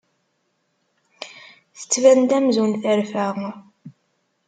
Tettban-d amzun terfa.